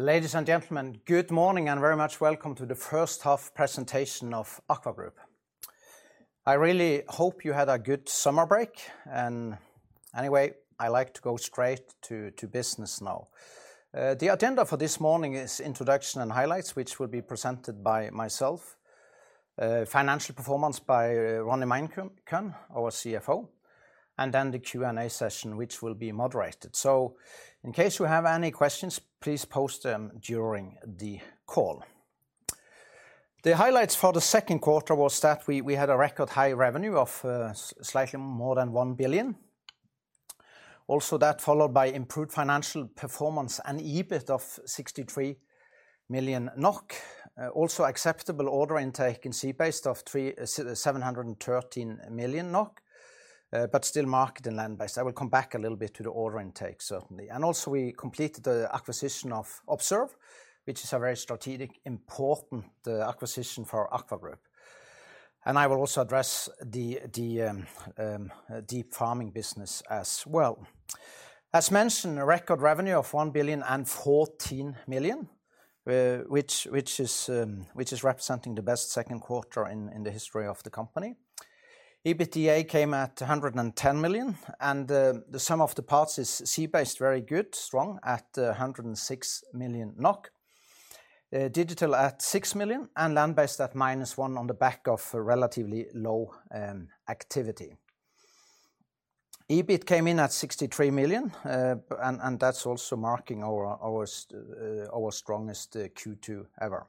Ladies and gentlemen, good morning and very much welcome to the first half presentation of AKVA group. I really hope you had a good summer break, and anyway, I like to go straight to business now. The agenda for this morning is introduction and highlights, which will be presented by myself, financial performance by Ronny Meinkøhn, our CFO, and then the Q&A session, which will be moderated. So in case you have any questions, please post them during the call. The highlights for the second quarter was that we had a record high revenue of, slightly more than 1 billion. Also, that followed by improved financial performance and EBIT of 63 million NOK. Also acceptable order intake in sea-based of 713 million NOK, but still market in land-based. I will come back a little bit to the order intake, certainly. And also we completed the acquisition of Observe, which is a very strategic, important acquisition for AKVA group. And I will also address the deep farming business as well. As mentioned, a record revenue of 1,014 million, which is representing the best second quarter in the history of the company. EBITDA came at 110 million, and the sum of the parts is Sea Based, very good, strong at 106 million NOK. Digital at 6 million, and Land Based at minus 1 million on the back of a relatively low activity. EBIT came in at 63 million, and that's also marking our strongest Q2 ever.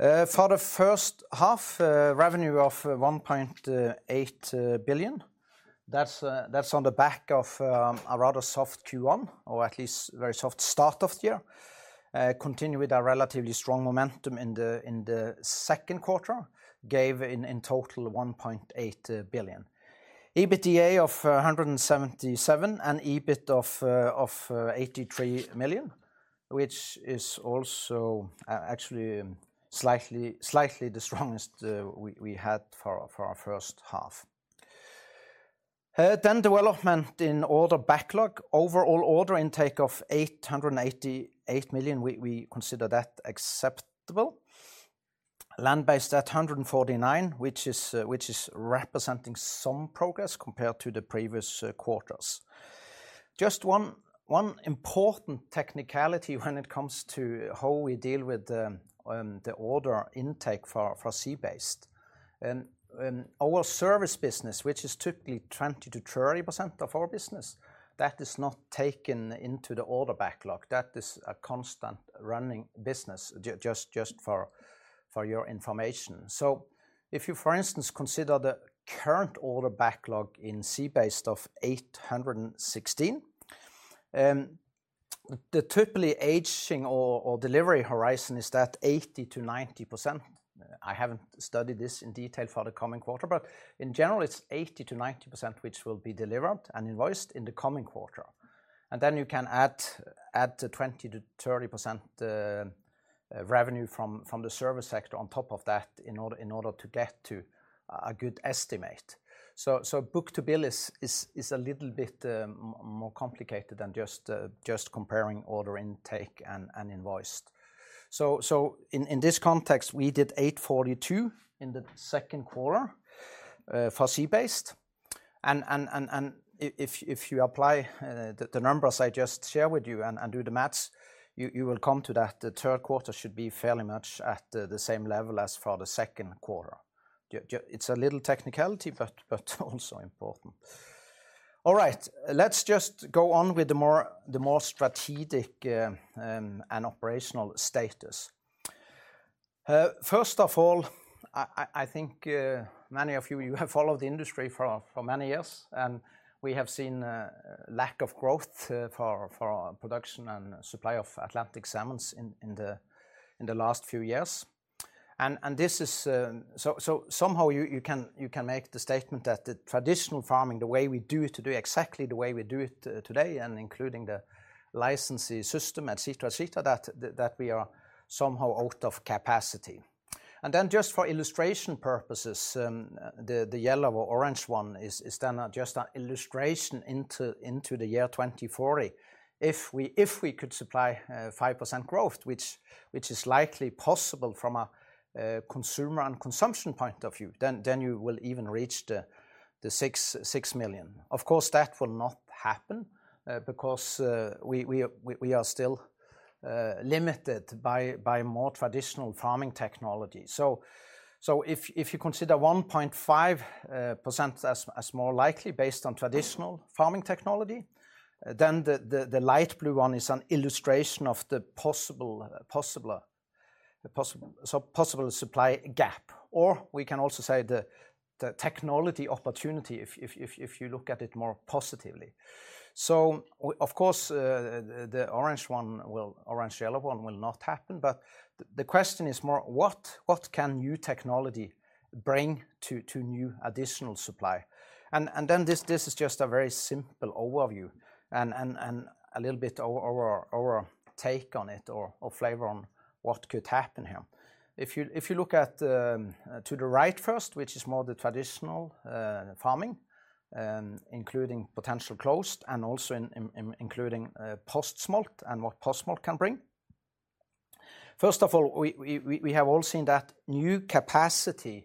For the first half, revenue of 1.8 billion, that's on the back of a rather soft Q1, or at least very soft start of the year. Continue with a relatively strong momentum in the second quarter, gave in total 1.8 billion. EBITDA of 177 million and EBIT of 83 million, which is also actually slightly the strongest we had for our first half. Then development in order backlog. Overall order intake of 888 million, we consider that acceptable. Land Based at 149 million, which is representing some progress compared to the previous quarters. Just one important technicality when it comes to how we deal with the order intake for Sea Based. And our service business, which is typically 20%-30% of our business, that is not taken into the order backlog. That is a constant running business, just for your information. So if you, for instance, consider the current order backlog in Sea Based of 816, the typically aging or delivery horizon is that 80%-90%. I haven't studied this in detail for the coming quarter, but in general, it's 80%-90%, which will be delivered and invoiced in the coming quarter. And then you can add the 20%-30% revenue from the service sector on top of that, in order to get to a good estimate. Book-to-bill is a little bit more complicated than just comparing order intake and invoiced. In this context, we did 0.842 in the second quarter for sea-based. And if you apply the numbers I just shared with you and do the math, you will come to that. The third quarter should be fairly much at the same level as for the second quarter. It's a little technicality, but also important. All right, let's just go on with the more strategic and operational status. First of all, I think many of you have followed the industry for many years, and we have seen a lack of growth for production and supply of Atlantic salmons in the last few years. And this is. So somehow you can make the statement that the traditional farming, the way we do it today, exactly the way we do it today, and including the licensing system, et cetera, et cetera, that we are somehow out of capacity. Then just for illustration purposes, the yellow or orange one is then just an illustration into the year 2040. If we could supply 5% growth, which is likely possible from a consumer and consumption point of view, then you will even reach the 6 million. Of course, that will not happen because we are still limited by more traditional farming technology. So if you consider 1.5% as more likely based on traditional farming technology, then the light blue one is an illustration of the possible supply gap. Or we can also say the technology opportunity if you look at it more positively. So of course the orange-yellow one will not happen, but the question is more what can new technology bring to new additional supply? Then this is just a very simple overview and a little bit our take on it or flavor on what could happen here. If you look at to the right first, which is more the traditional farming, including potential closed and also including post-smolt and what post-smolt can bring. First of all, we have all seen that new capacity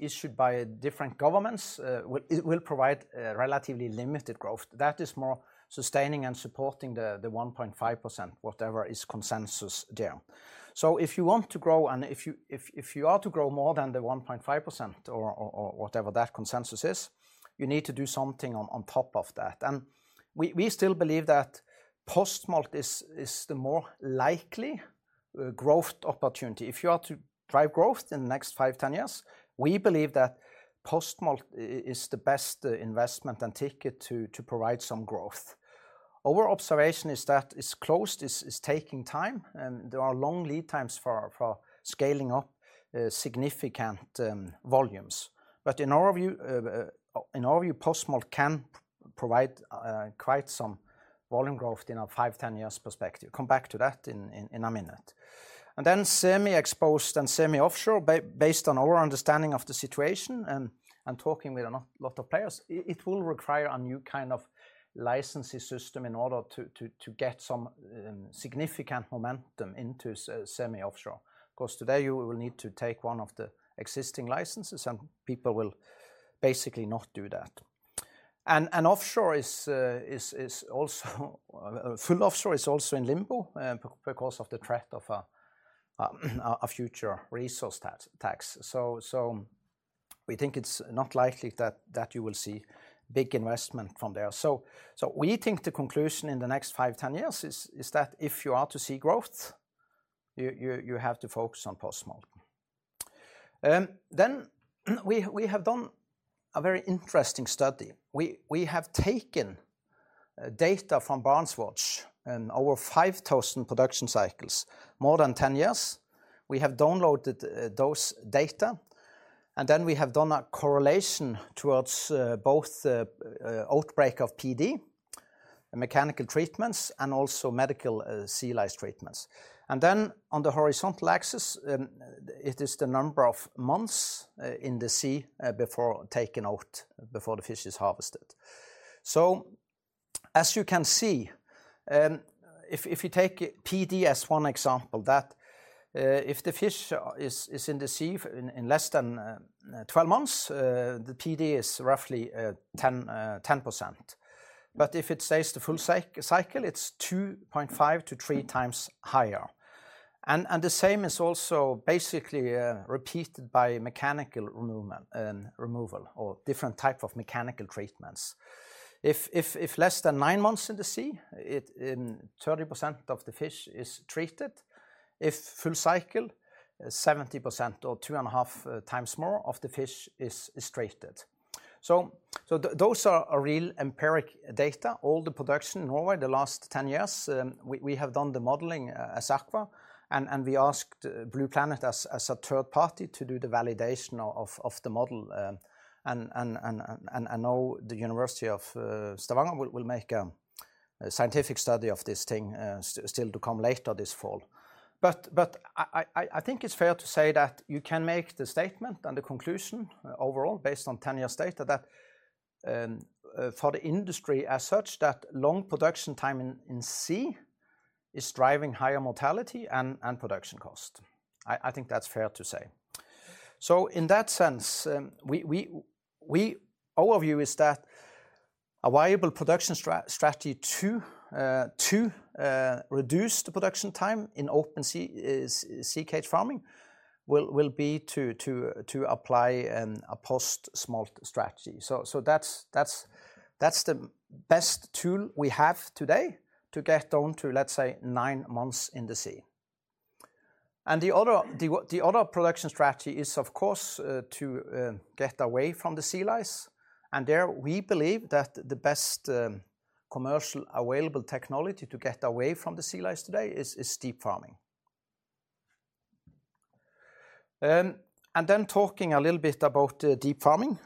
issued by different governments will provide relatively limited growth. That is more sustaining and supporting the 1.5%, whatever is consensus there. So if you want to grow, and if you are to grow more than 1.5% or whatever that consensus is, you need to do something on top of that. And we still believe that post-smolt is the more likely growth opportunity. If you are to drive growth in the next 5-10 years, we believe that post-smolt is the best investment and ticket to provide some growth. Our observation is that it's closed is taking time, and there are long lead times for scaling up significant volumes. But in our view, post-smolt can provide quite some volume growth in a 5-10 years perspective. Come back to that in a minute. And then semi-exposed and semi-offshore, based on our understanding of the situation and talking with a lot of players, it will require a new kind of licensing system in order to get some significant momentum into semi-offshore. Because today you will need to take one of the existing licenses, and people will basically not do that. And offshore is also full offshore is also in limbo because of the threat of a future resource tax. So we think it's not likely that you will see big investment from there. So we think the conclusion in the next 5-10 years is that if you are to see growth, you have to focus on post-smolt. Then we have done a very interesting study. We have taken data from BarentsWatch and over 5,000 production cycles, more than 10 years. We have downloaded those data, and then we have done a correlation towards both outbreak of PD, mechanical treatments, and also medical sea lice treatments. And then on the horizontal axis, it is the number of months in the sea before taking out, before the fish is harvested. So as you can see, if you take PD as one example, that if the fish is in the sea in less than 12 months, the PD is roughly 10%. But if it stays the full cycle, it's 2.5-3 times higher. And the same is also basically repeated by mechanical removal and removal or different type of mechanical treatments. If less than nine months in the sea, it in 30% of the fish is treated. If full cycle, 70% or 2.5 times more of the fish is treated. So those are real empirical data. All the production in Norway, the last 10 years, we have done the modeling, as AKVA, and we asked Blue Planet as a third party to do the validation of the model. And now the University of Stavanger will make a scientific study of this thing, still to come later this fall. I think it's fair to say that you can make the statement and the conclusion overall, based on 10 years' data, that for the industry as such, that long production time in sea is driving higher mortality and production cost. I think that's fair to say. So in that sense, our view is that a viable production strategy to reduce the production time in open sea is sea cage farming, will be to apply a post-smolt strategy. So that's the best tool we have today to get down to, let's say, 9 months in the sea. And the other production strategy is, of course, to get away from the sea lice, and there we believe that the best commercial available technology to get away from the sea lice today is deep farming. And then talking a little bit about deep farming.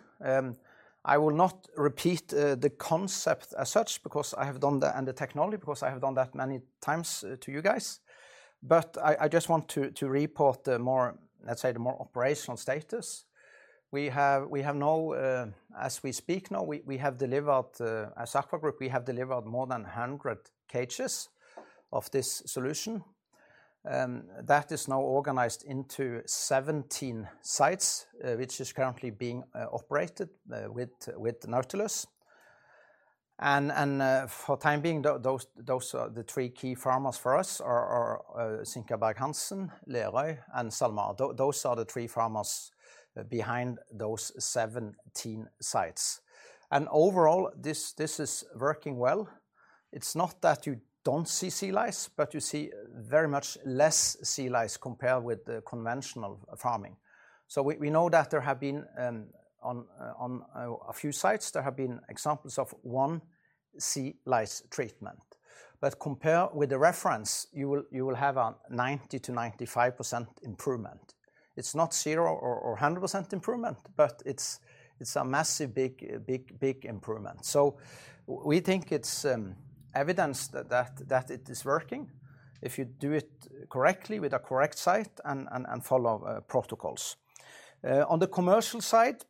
I will not repeat the concept as such because I have done that, and the technology, because I have done that many times to you guys, but I just want to report the more, let's say, the more operational status. We have now, as we speak now, we have delivered, as AKVA Group, we have delivered more than 100 cages of this solution. That is now organized into 17 sites, which is currently being operated with Nautilus. For the time being, those are the three key farmers for us: SinkabergHansen, Lerøy, and SalMar. Those are the three farmers behind those 17 sites. And overall, this is working well. It's not that you don't see sea lice, but you see very much less sea lice compared with the conventional farming. So we know that there have been, on a few sites, there have been examples of one sea lice treatment. But compare with the reference, you will have a 90%-95% improvement. It's not zero or 100% improvement, but it's a massive, big, big, big improvement. So we think it's evidence that it is working if you do it correctly with a correct site and follow protocols. On the commercial side-...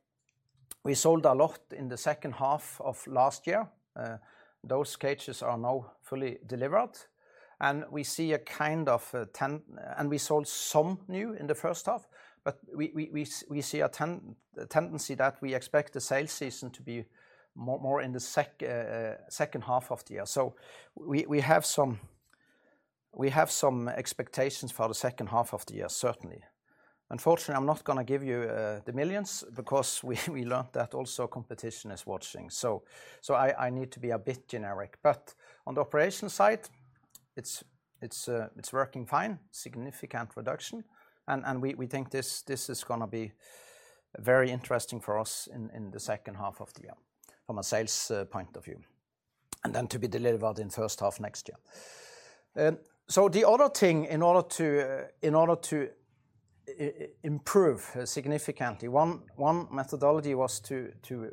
We sold a lot in the second half of last year. Those cages are now fully delivered, and we see a kind of ten- and we sold some new in the first half, but we see a tendency that we expect the sales season to be more in the second half of the year. So we have some expectations for the second half of the year, certainly. Unfortunately, I'm not gonna give you the millions, because we learned that also competition is watching. So I need to be a bit generic. But on the operation side, it's working fine, significant reduction, and we think this is gonna be very interesting for us in the second half of the year from a sales point of view, and then to be delivered in first half next year. So the other thing, in order to improve significantly, one methodology was to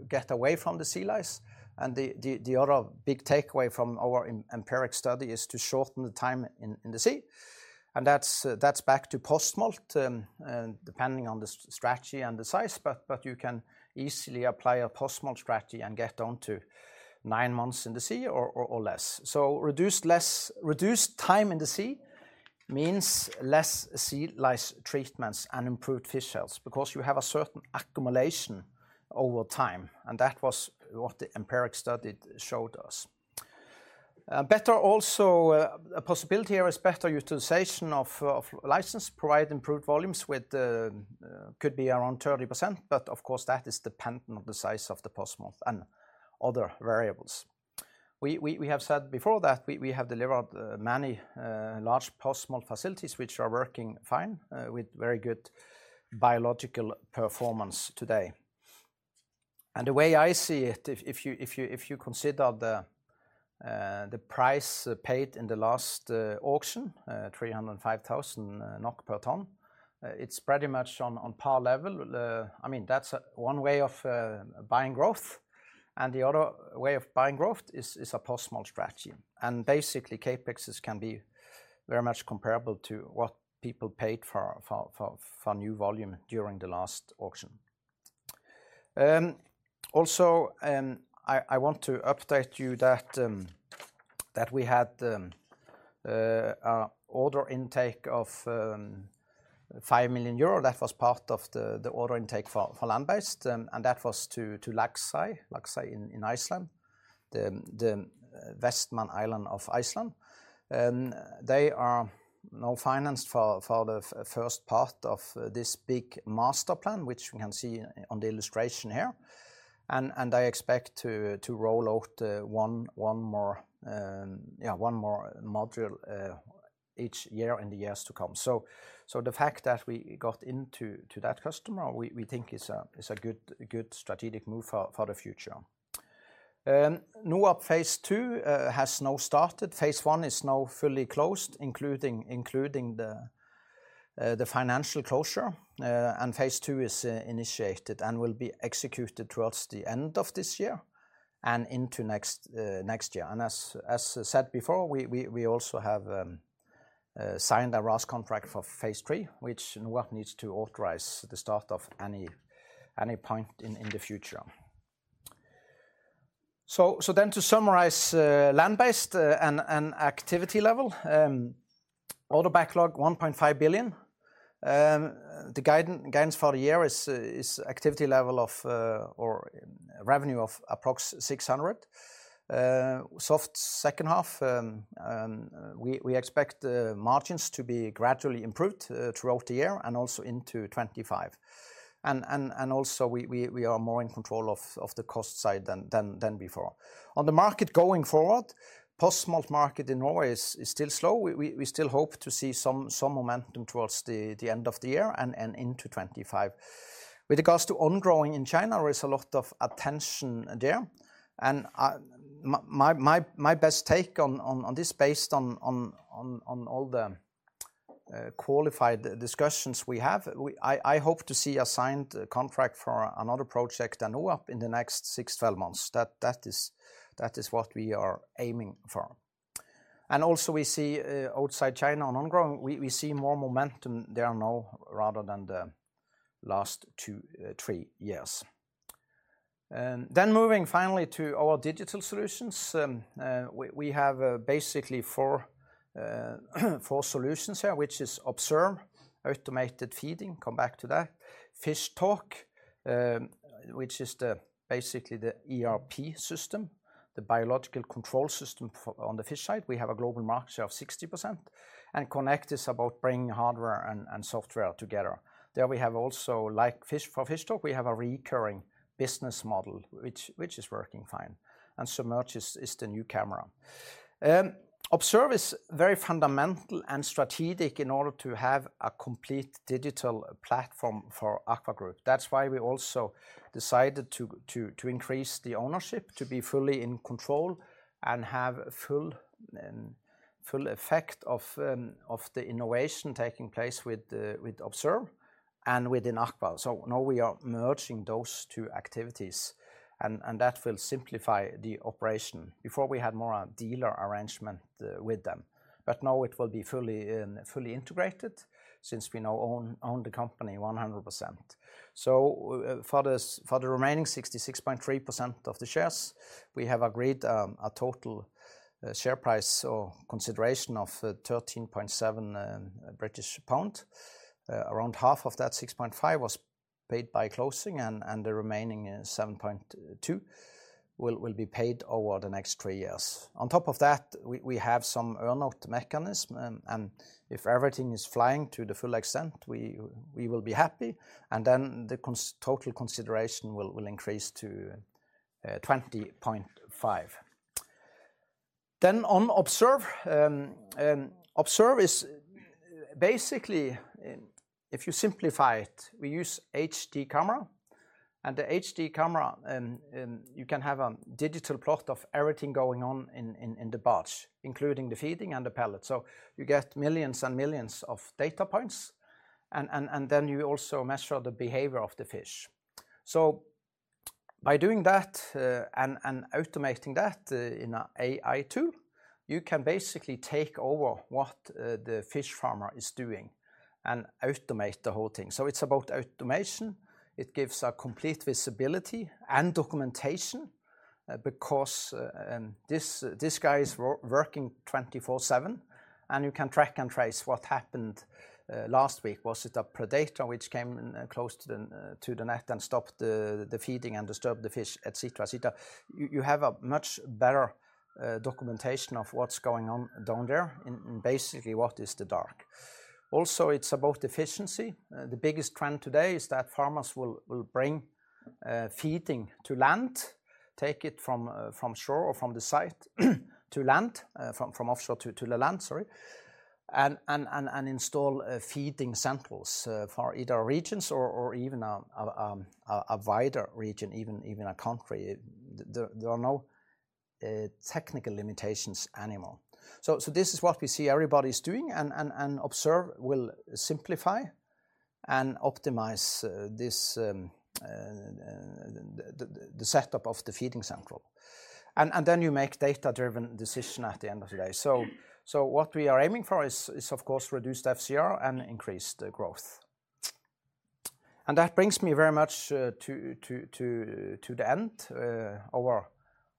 get away from the sea lice, and the other big takeaway from our empirical study is to shorten the time in the sea. And that's back to post-smolt, depending on the strategy and the size, but you can easily apply a post-smolt strategy and get down to nine months in the sea or less. So reduced, less... Reduced time in the sea means less sea lice treatments and improved fish health, because you have a certain accumulation over time, and that was what the empirical study showed us. Better also, a possibility here is better utilization of license, provide improved volumes with could be around 30%, but of course, that is dependent on the size of the post-smolt and other variables. We have said before that we have delivered many large post-smolt facilities, which are working fine with very good biological performance today. And the way I see it, if you consider the price paid in the last auction, 305,000 NOK per ton, it's pretty much on par level. I mean, that's one way of buying growth, and the other way of buying growth is a post-smolt strategy. Basically, CapExes can be very much comparable to what people paid for new volume during the last auction. Also, I want to update you that we had an order intake of 5 million euro. That was part of the order intake for land-based, and that was to Laxey in Iceland, the Westman Islands of Iceland. And they are now financed for the first part of this big master plan, which we can see on the illustration here. And I expect to roll out one more module each year in the years to come. So the fact that we got into that customer, we think is a good strategic move for the future. NOAP phase II has now started. phase I is now fully closed, including the financial closure, and phase II is initiated and will be executed towards the end of this year and into next year. And as said before, we also have signed a RAS contract for phase III, which NOAP needs to authorize the start of any point in the future. So then to summarize, land-based and activity level, order backlog 1.5 billion. The guidance for the year is activity level of or revenue of approx 600 million. Soft second half, we expect the margins to be gradually improved throughout the year and also into 2025. And also, we are more in control of the cost side than before. On the market going forward, post-smolt market in Norway is still slow. We still hope to see some momentum towards the end of the year and into 2025. With regards to on-growing in China, there is a lot of attention there, and my best take on this, based on all the qualified discussions we have, I hope to see a signed contract for another project at NOAP in the next 6-12 months. That is what we are aiming for. And also we see outside China on on-growing, we see more momentum there now rather than the last 2-3 years. Then moving finally to our digital solutions, we have basically 4 solutions here, which is Observe, Automated Feeding, come back to that. Fishtalk, which is basically the ERP system, the biological control system for on the fish side. We have a global market share of 60%. And Connect is about bringing hardware and software together. There we have also, like, for Fishtalk, we have a recurring business model, which is working fine, and Submerge is the new camera. Observe is very fundamental and strategic in order to have a complete digital platform for AKVA Group. That's why we also decided to increase the ownership, to be fully in control and have full effect of the innovation taking place with Observe and within AKVA. So now we are merging those two activities... and that will simplify the operation. Before we had more a dealer arrangement with them, but now it will be fully integrated since we now own the company 100%. So, for the remaining 66.3% of the shares, we have agreed a total share price or consideration of 13.7 British pound. Around half of that, 6.5, was paid by closing, and the remaining 7.2 will be paid over the next three years. On top of that, we have some earn-out mechanism, and if everything is flying to the full extent, we will be happy, and then the total consideration will increase to 20.5. Then on Observe, Observe is basically, if you simplify it, we use HD camera, and the HD camera, you can have a digital plot of everything going on in the batch, including the feeding and the pellet. So you get millions and millions of data points, and then you also measure the behavior of the fish. So by doing that, and automating that, in a AI, too, you can basically take over what the fish farmer is doing and automate the whole thing. So it's about automation. It gives a complete visibility and documentation, because this guy is working 24/7, and you can track and trace what happened last week. Was it a predator which came close to the net and stopped the feeding and disturbed the fish, et cetera, et cetera? You have a much better documentation of what's going on down there, basically what is the dark. Also, it's about efficiency. The biggest trend today is that farmers will bring feeding to land, take it from shore or from the site to land, from offshore to the land, sorry, and install feeding centers for either regions or even a wider region, even a country. There are no technical limitations anymore. So this is what we see everybody's doing, and Observe will simplify and optimize this the setup of the feeding central. And then you make data-driven decision at the end of the day. So what we are aiming for is of course reduced FCR and increased growth. And that brings me very much to the end.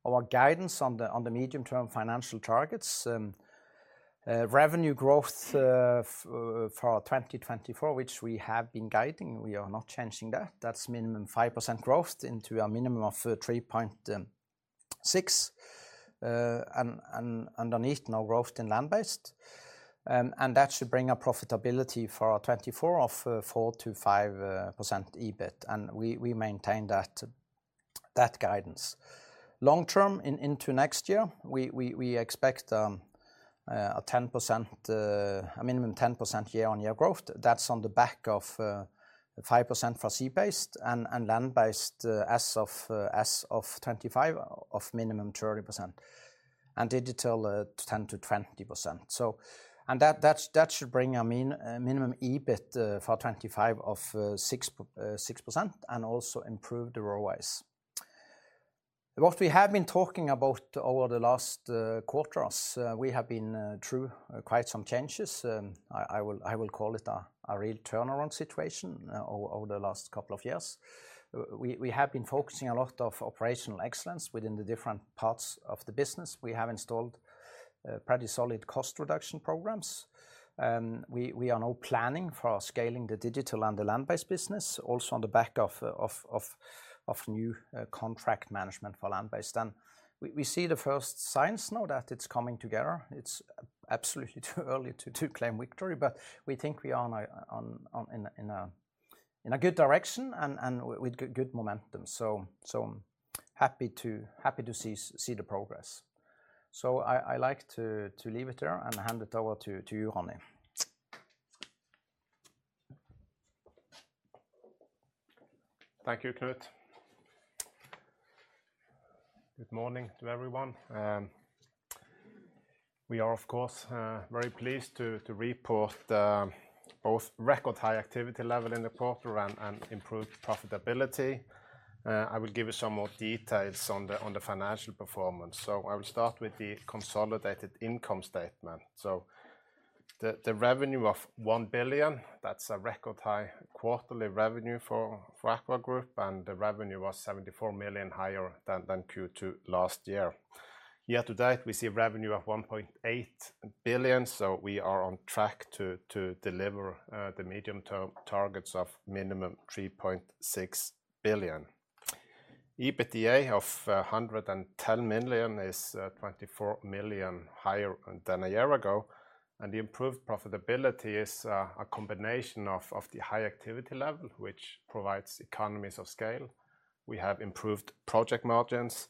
Our guidance on the medium-term financial targets, revenue growth for 2024, which we have been guiding, we are not changing that. That's minimum 5% growth into a minimum of 3.6 billion, and underneath, no growth in land-based. And that should bring a profitability for our 2024 of 4%-5% EBIT, and we maintain that guidance. Long term, into next year, we expect a minimum 10% year-on-year growth. That's on the back of 5% for sea-based and land-based as of 25 of minimum 30%, and digital 10%-20%. So... And that should bring a minimum EBIT for 25 of 6%, and also improve the ROIs. What we have been talking about over the last quarters, we have been through quite some changes. I will call it a real turnaround situation over the last couple of years. We have been focusing a lot of operational excellence within the different parts of the business. We have installed pretty solid cost reduction programs, and we are now planning for scaling the digital and the land-based business, also on the back of new contract management for land-based. And we see the first signs now that it's coming together. It's absolutely too early to claim victory, but we think we are in a good direction and with good momentum. So happy to see the progress. So I like to leave it there and hand it over to you, Ronny. Thank you, Knut. Good morning to everyone. We are, of course, very pleased to report both record high activity level in the quarter and improved profitability. I will give you some more details on the financial performance. I will start with the consolidated income statement. The revenue of 1 billion, that's a record high quarterly revenue for AKVA group, and the revenue was 74 million higher than Q2 last year. Year to date, we see revenue of 1.8 billion, so we are on track to deliver the medium-term targets of minimum 3.6 billion. EBITDA of 110 million is 24 million higher than a year ago, and the improved profitability is a combination of the high activity level, which provides economies of scale. We have improved project margins,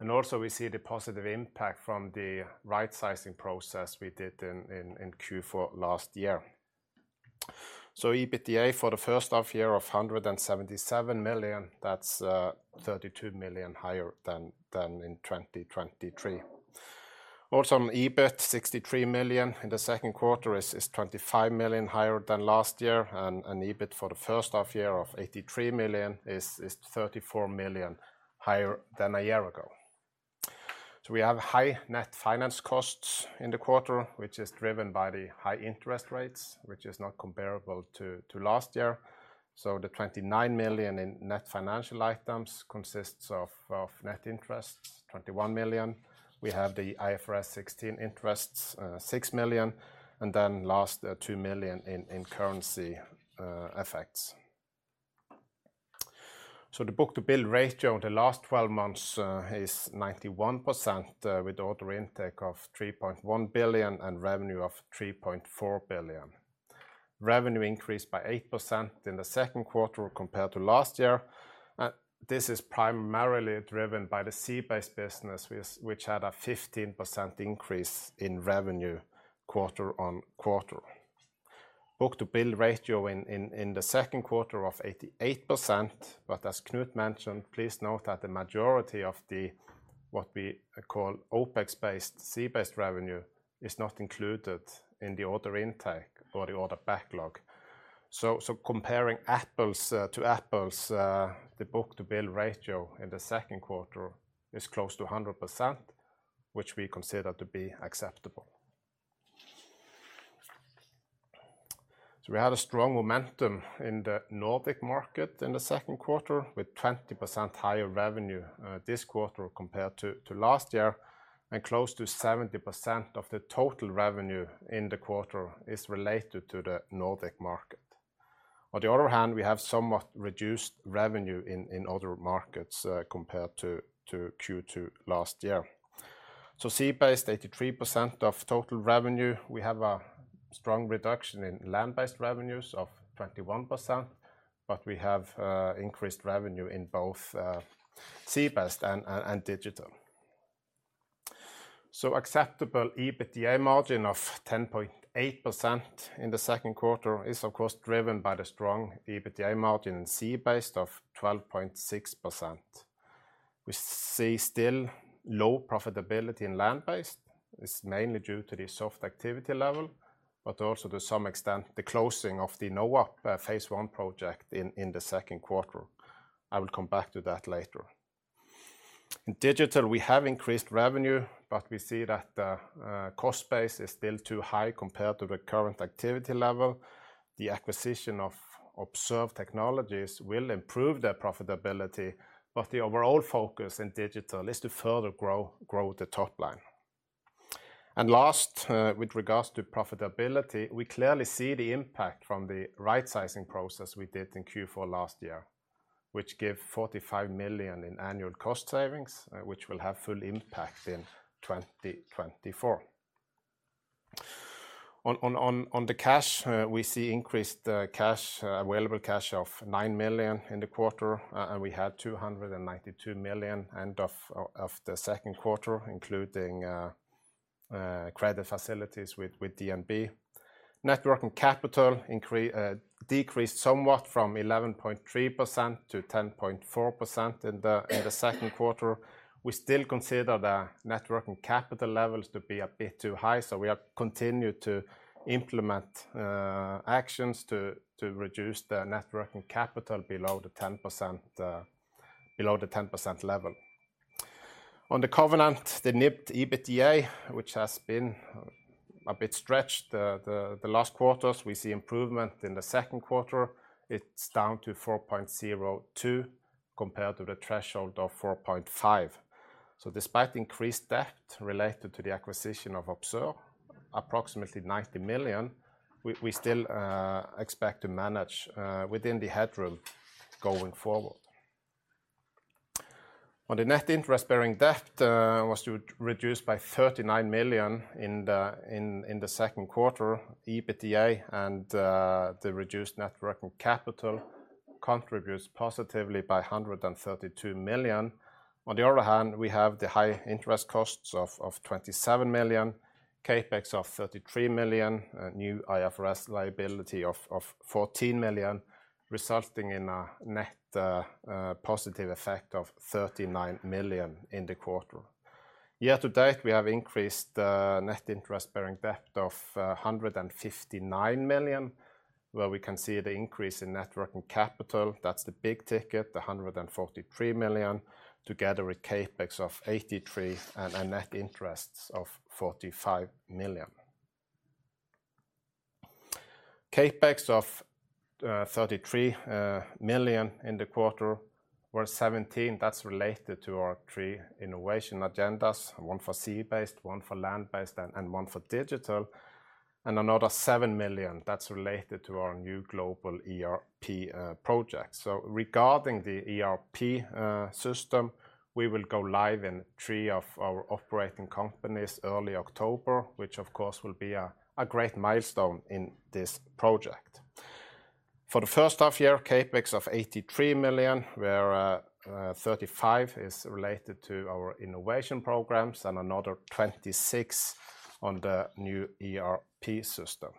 and also we see the positive impact from the right-sizing process we did in Q4 last year. So EBITDA for the first half year of 177 million, that's 32 million higher than in 2023. Also on EBIT, 63 million in the second quarter is 25 million higher than last year, and EBIT for the first half year of 83 million is 34 million higher than a year ago. So we have high net finance costs in the quarter, which is driven by the high interest rates, which is not comparable to last year. So the 29 million in net financial items consists of net interest, 21 million. We have the IFRS 16 interests, 6 million, and then last two million in currency effects. So the book-to-bill ratio in the last 12 months is 91%, with order intake of 3.1 billion and revenue of 3.4 billion. Revenue increased by 8% in the second quarter compared to last year, and this is primarily driven by the sea-based business, which had a 15% increase in revenue quarter-over-quarter. Book-to-bill ratio in the second quarter of 88%, but as Knut Nesse mentioned, please note that the majority of the, what we call OpEx-based, sea-based revenue is not included in the order intake or the order backlog. So comparing apples to apples, the book-to-bill ratio in the second quarter is close to 100%, which we consider to be acceptable. So we had a strong momentum in the Nordic market in the second quarter, with 20% higher revenue this quarter compared to last year, and close to 70% of the total revenue in the quarter is related to the Nordic market. On the other hand, we have somewhat reduced revenue in other markets compared to Q2 last year. So sea-based, 83% of total revenue, we have a strong reduction in land-based revenues of 21%, but we have increased revenue in both sea-based and digital. So acceptable EBITDA margin of 10.8% in the second quarter is of course driven by the strong EBITDA margin in sea-based of 12.6%. We see still low profitability in land-based. It's mainly due to the soft activity level, but also to some extent, the closing of the NOAP phase I project in the second quarter. I will come back to that later. In digital, we have increased revenue, but we see that the cost base is still too high compared to the current activity level. The acquisition of Observe Technologies will improve the profitability, but the overall focus in digital is to further grow the top line. Last, with regards to profitability, we clearly see the impact from the rightsizing process we did in Q4 last year, which give 45 million in annual cost savings, which will have full impact in 2024. On the cash, we see increased available cash of 9 million in the quarter, and we had 292 million end of the second quarter, including credit facilities with DNB. Net working capital increase decreased somewhat from 11.3%-10.4% in the second quarter. We still consider the net working capital levels to be a bit too high, so we have continued to implement actions to reduce the net working capital below the 10% level. On the covenant, the NIBD EBITDA, which has been a bit stretched the last quarters, we see improvement in the second quarter. It's down to 4.02 compared to the threshold of 4.5. So despite increased debt related to the acquisition of Observe, approximately 90 million, we still expect to manage within the headroom going forward. On the net interest-bearing debt, was reduced by 39 million in the second quarter. EBITDA and the reduced net working capital contributes positively by 132 million. On the other hand, we have the high interest costs of 27 million, CapEx of 33 million, a new IFRS liability of 14 million, resulting in a net positive effect of 39 million in the quarter. Year to date, we have increased net interest-bearing debt of 159 million, where we can see the increase in net working capital. That's the big ticket, the 143 million, together with CapEx of 83 million and a net interest of 45 million. CapEx of 33 million in the quarter, where 17, that's related to our three innovation agendas, one for sea-based, one for land-based, and one for digital, and another 7 million that's related to our new global ERP project. So regarding the ERP system, we will go live in three of our operating companies early October, which of course will be a great milestone in this project. For the first half year, CapEx of 83 million, where 35 is related to our innovation programs and another 26 on the new ERP system.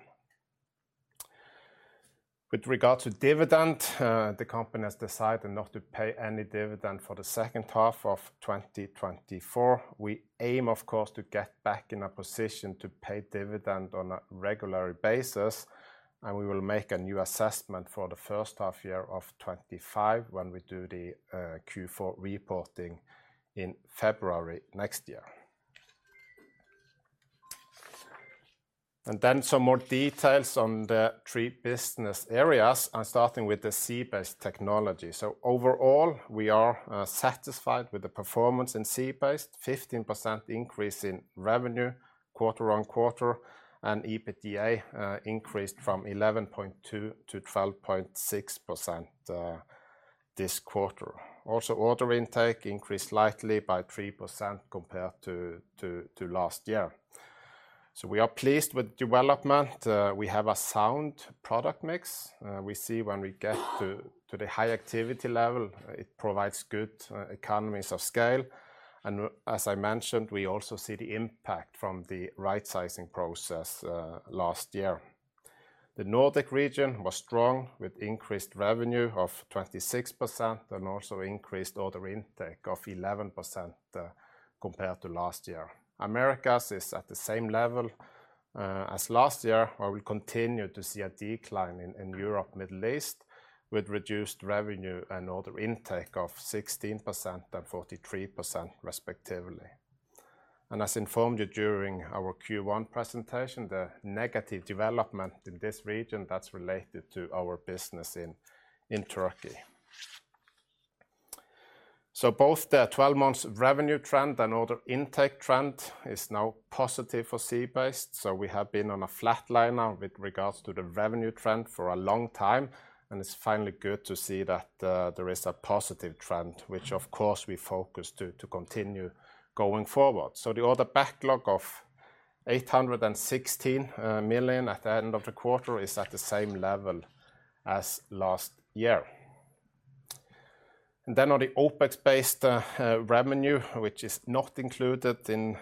With regard to dividend, the company has decided not to pay any dividend for the second half of 2024. We aim, of course, to get back in a position to pay dividend on a regular basis, and we will make a new assessment for the first half year of 2025 when we do the Q4 reporting in February next year. And then some more details on the three business areas, and starting with the Sea Based technology. So overall, we are satisfied with the performance in Sea Based. 15% increase in revenue quarter-on-quarter, and EBITDA increased from 11.2%-12.6%, this quarter. Also, order intake increased slightly by 3% compared to last year. So we are pleased with development. We have a sound product mix. We see when we get to the high activity level, it provides good economies of scale. And as I mentioned, we also see the impact from the right-sizing process last year. The Nordic region was strong, with increased revenue of 26% and also increased order intake of 11% compared to last year. Americas is at the same level as last year, where we continue to see a decline in Europe, Middle East, with reduced revenue and order intake of 16% and 43% respectively. And as informed you during our Q1 presentation, the negative development in this region, that's related to our business in Turkey. So both the 12-month revenue trend and order intake trend is now positive for Sea Based, so we have been on a flat line now with regards to the revenue trend for a long time, and it's finally good to see that, there is a positive trend, which of course, we focus to, to continue going forward. So the order backlog of 816 million at the end of the quarter is at the same level as last year. And then on the OpEx-based revenue, which is not included in,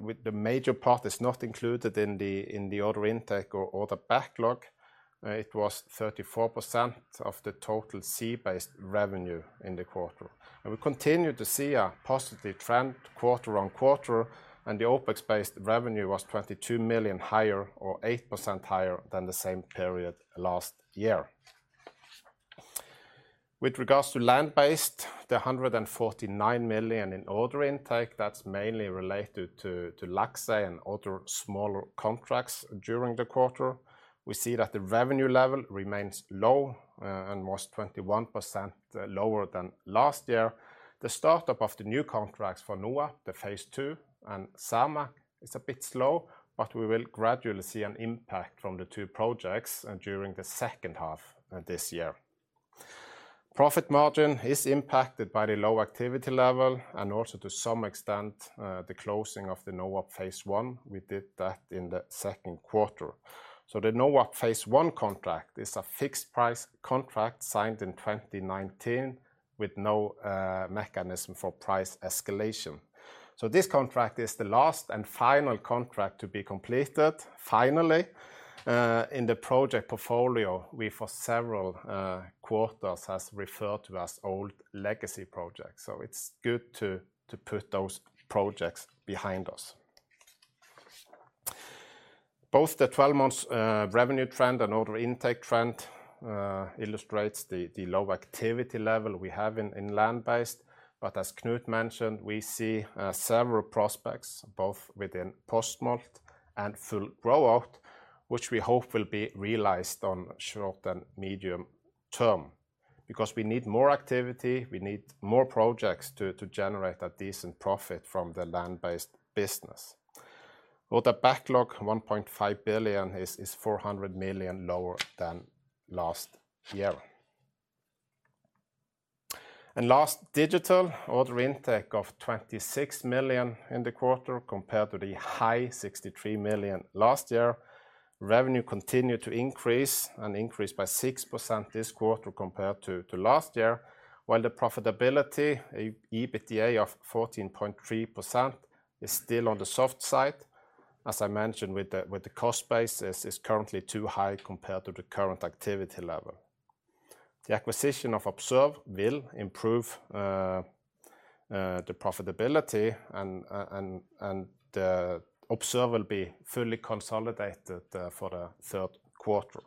with the major part, is not included in the, in the order intake or order backlog, it was 34% of the total Sea Based revenue in the quarter. We continue to see a positive trend quarter on quarter, and the OPEX-based revenue was 22 million higher or 8% higher than the same period last year. With regards to Land Based, the 149 million in order intake, that's mainly related to Laxey and other smaller contracts during the quarter. We see that the revenue level remains low, and was 21% lower than last year. The startup of the new contracts for NOAP, the phase II, and Cermaq is a bit slow, but we will gradually see an impact from the two projects, and during the second half of this year. Profit margin is impacted by the low activity level and also to some extent, the closing of the NOAP phase I. We did that in the second quarter. So the NOAP phase I contract is a fixed price contract signed in 2019, with no mechanism for price escalation. So this contract is the last and final contract to be completed finally in the project portfolio we, for several quarters, has referred to as old legacy projects, so it's good to put those projects behind us. Both the 12-month revenue trend and order intake trend illustrates the low activity level we have in Land Based, but as Knut mentioned, we see several prospects, both within post-smolt and full growout, which we hope will be realized on short and medium term. Because we need more activity, we need more projects to generate a decent profit from the Land Based business. Order backlog 1.5 billion is four hundred million lower than last year. Last, Digital order intake of 26 million in the quarter, compared to the high 63 million last year. Revenue continued to increase and increased by 6% this quarter compared to last year, while the profitability, EBITDA of 14.3%, is still on the soft side, as I mentioned, with the cost base is currently too high compared to the current activity level. The acquisition of Observe will improve the profitability and Observe will be fully consolidated for the third quarter.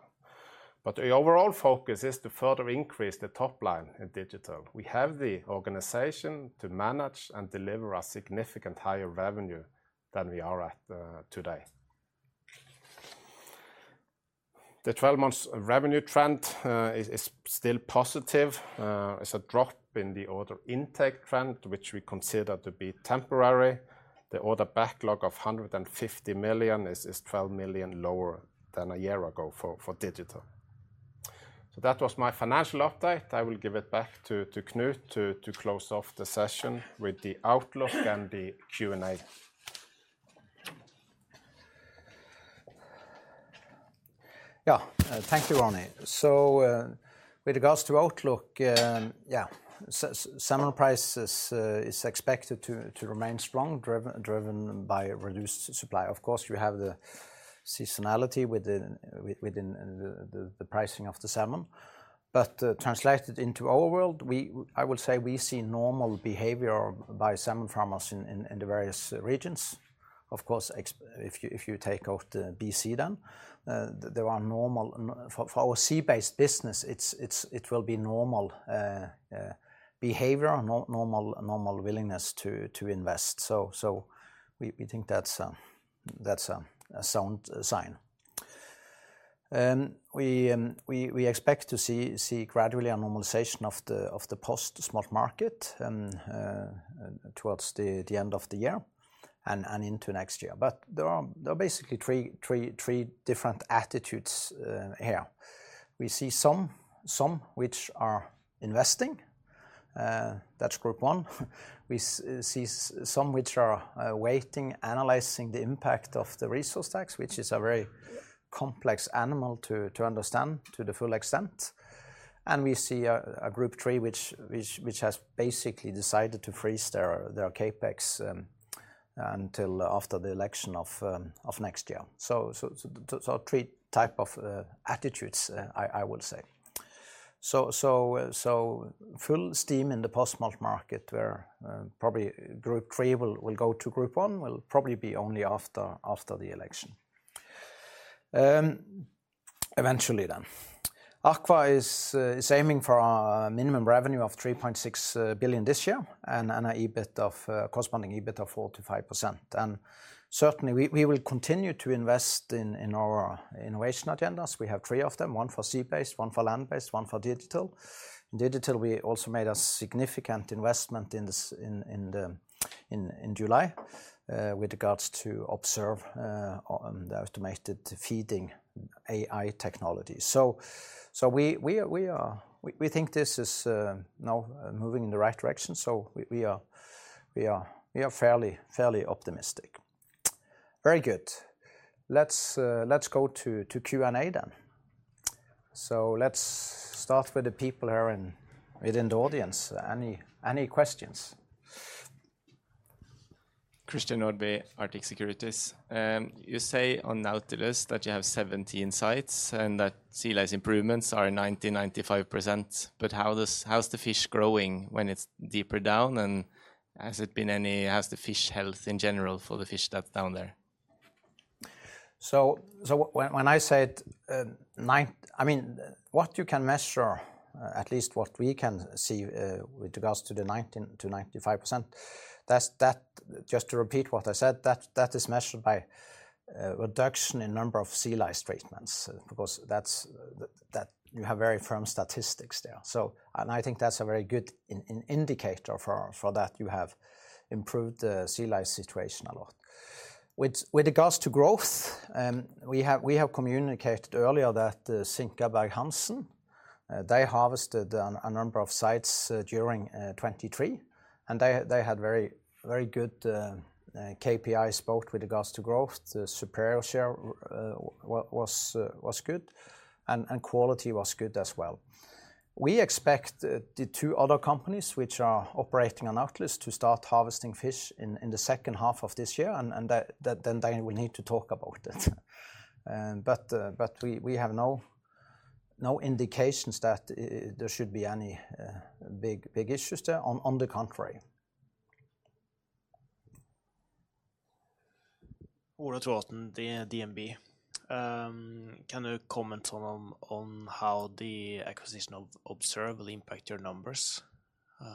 But the overall focus is to further increase the top line in Digital. We have the organization to manage and deliver a significant higher revenue than we are at today. The 12 months revenue trend is still positive. It's a drop in the order intake trend, which we consider to be temporary. The order backlog of 150 million is 12 million lower than a year ago for Digital. So that was my financial update. I will give it back to Knut to close off the session with the outlook and the Q&A. Yeah. Thank you, Ronny. With regards to outlook, salmon prices is expected to remain strong, driven by reduced supply. Of course, you have the seasonality within the pricing of the salmon. But translated into our world, I would say we see normal behavior by salmon farmers in the various regions. Of course, if you take out the BC then there are normal. For our sea-based business, it will be normal behavior or normal willingness to invest. So we think that's a sound sign. We expect to see gradually a normalization of the post-smolt market towards the end of the year and into next year. But there are basically three different attitudes here. We see some which are investing, that's group one. We see some which are waiting, analyzing the impact of the resource tax, which is a very complex animal to understand to the full extent. And we see a group three, which has basically decided to freeze their CapEx until after the election of next year. So three type of attitudes, I would say. So full steam in the post-smolt market, where probably group three will go to group one, will probably be only after the election, eventually then. AKVA is aiming for a minimum revenue of 3.6 billion this year, and a EBIT of corresponding EBIT of 4%-5%. Certainly, we will continue to invest in our innovation agendas. We have three of them, one for sea-based, one for land-based, one for digital. Digital, we also made a significant investment in July with regards to Observe and automated feeding AI technology. So, we are—we think this is now moving in the right direction, so we are fairly optimistic. Very good. Let's go to Q&A then. So let's start with the people here within the audience. Any questions? Christian Nordby, Arctic Securities. You say on Nautilus that you have 17 sites and that sea lice improvements are 90%-95%, but how's the fish growing when it's deeper down, and has the fish health in general for the fish that's down there? So when I said, I mean, what you can measure, at least what we can see, with regards to the 90%-95%, that's just to repeat what I said, that is measured by reduction in number of sea lice treatments, because that's you have very firm statistics there. So. And I think that's a very good indicator for that you have improved the sea lice situation a lot. With regards to growth, we have communicated earlier that SinkabergHansen they harvested a number of sites during 2023, and they had very good KPIs, both with regards to growth, the superior share was good, and quality was good as well. We expect the two other companies which are operating on Nautilus to start harvesting fish in the second half of this year, and that then they will need to talk about it. But we have no indications that there should be any big issues there. On the contrary. Ola Trovatn, DNB. Can you comment on how the acquisition of Observe will impact your numbers?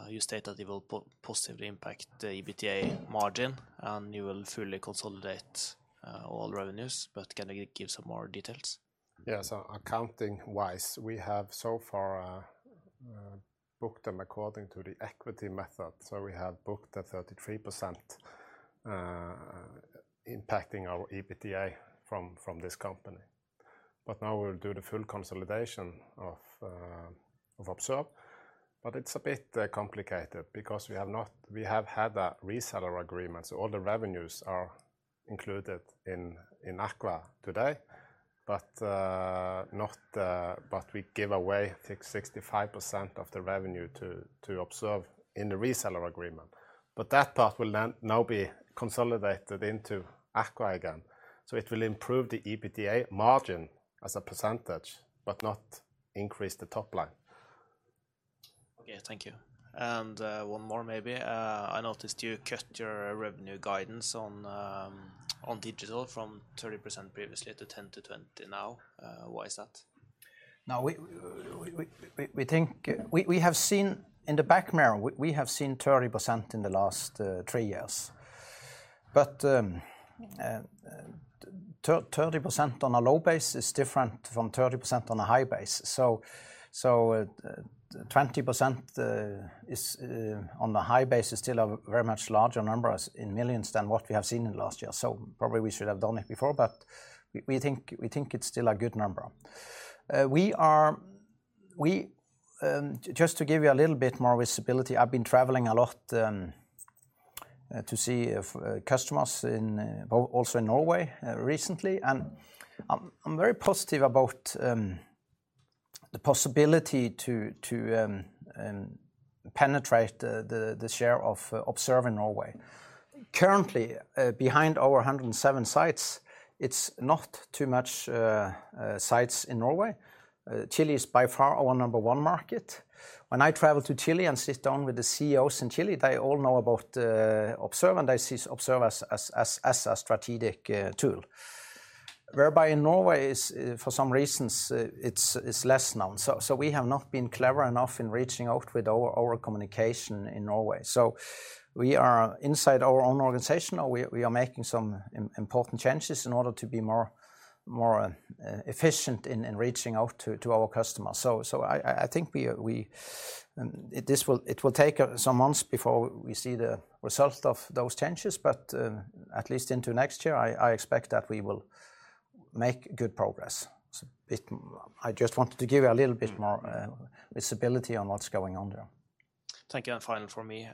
You state that it will positively impact the EBITDA margin, and you will fully consolidate all revenues, but can you give some more details? Yeah, so accounting-wise, we have so far booked them according to the equity method. So we have booked the 33%, impacting our EBITDA from, from this company. But now we'll do the full consolidation of, of Observe, but it's a bit complicated because we have had a reseller agreement, so all the revenues are included in, in AKVA today, but, not, but we give away, I think, 65% of the revenue to, to Observe in the reseller agreement. But that part will then now be consolidated into AKVA again, so it will improve the EBITDA margin as a percentage, but not increase the top line. Okay, thank you. One more maybe. I noticed you cut your revenue guidance on digital from 30% previously to 10%-20% now. Why is that? Now, we think. We have seen, in the back mirror, we have seen 30% in the last three years. But 30% on a low base is different from 30% on a high base. So 20% on a high base is still a very much larger number as in millions than what we have seen in last year. So probably we should have done it before, but we think it's still a good number. Just to give you a little bit more visibility, I've been traveling a lot to see if customers in also in Norway recently. And I'm very positive about the possibility to penetrate the share of Observe in Norway. Currently, behind our 107 sites, it's not too much sites in Norway. Chile is by far our number one market. When I travel to Chile and sit down with the CEOs in Chile, they all know about Observe, and they see Observe as a strategic tool. Whereby in Norway is, for some reasons, it's less known. So we have not been clever enough in reaching out with our communication in Norway. So we are inside our own organization, or we are making some important changes in order to be more efficient in reaching out to our customers. So I think we... This will take some months before we see the results of those changes, but at least into next year, I expect that we will make good progress. So it... I just wanted to give you a little bit more- Mm... visibility on what's going on there. Thank you, and final for me.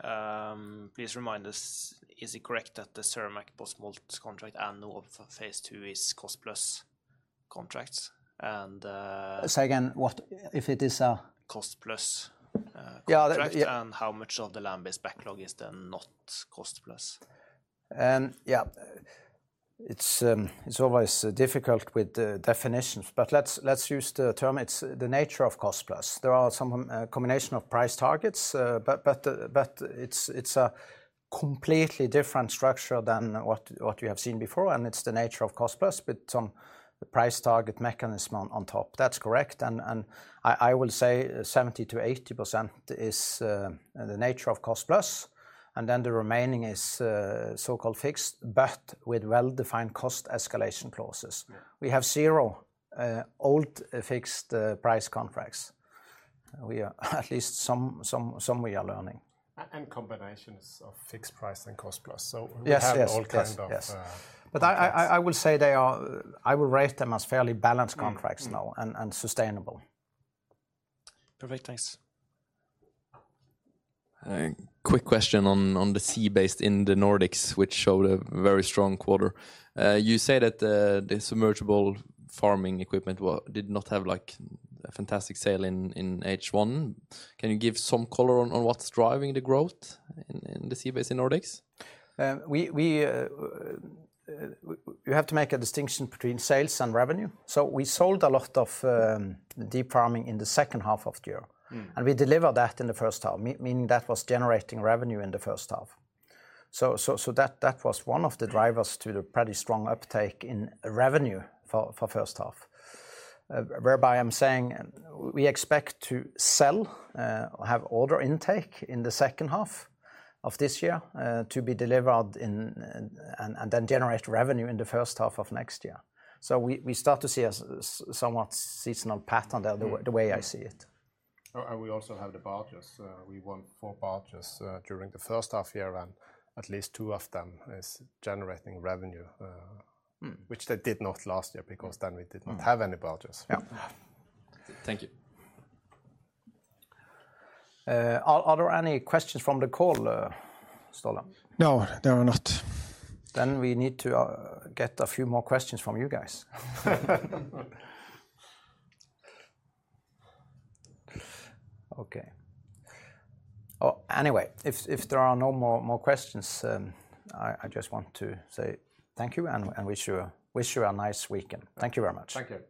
Please remind us, is it correct that the Cermaq post-smolt contract and all of the phase II is cost-plus contracts, and- Say again, what... If it is a? Cost-plus contract. Yeah. How much of the land-based backlog is then not cost-plus? Yeah. It's always difficult with the definitions, but let's use the term. It's the nature of cost-plus. There are some combination of price targets, but it's a completely different structure than what we have seen before, and it's the nature of cost-plus, but some the price target mechanism on top. That's correct, and I will say 70%-80% is the nature of cost-plus, and then the remaining is so-called fixed, but with well-defined cost escalation clauses. Yeah. We have zero old fixed price contracts. We are learning at least some. Combinations of fixed price and cost-plus. Yes, yes, yes, yes. We have all kind of contracts. But I will say they are... I will rate them as fairly balanced contracts now. Mm, mm... and sustainable. Perfect, thanks. Quick question on, on the Sea Based in the Nordics, which showed a very strong quarter. You say that the, the submersible farming equipment did not have, like, a fantastic sale in, in H1. Can you give some color on, on what's driving the growth in, in the Sea Based Nordics? We have to make a distinction between sales and revenue. So we sold a lot of deep farming in the second half of the year. Mm. And we delivered that in the first half, meaning that was generating revenue in the first half. So that was one of the drivers to the pretty strong uptake in revenue for first half. Whereby I'm saying we expect to sell or have order intake in the second half of this year to be delivered in and then generate revenue in the first half of next year. So we start to see a somewhat seasonal pattern there- Mm... the way I see it. Oh, and we also have the barges. We won four barges during the first half year, and at least two of them is generating revenue. Mm... which they did not last year because then we didn't- Mm... have any barges. Yeah. Thank you. Are there any questions from the call, Ståle? No, there are not. Then we need to get a few more questions from you guys. Okay. Well, anyway, if there are no more questions, I just want to say thank you and wish you a nice weekend. Thank you very much. Thank you.